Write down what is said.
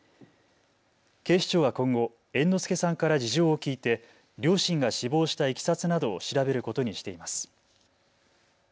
警視庁は今後、猿之助さんから事情を聴いて両親が死亡したいきさつなどを調べることにしています。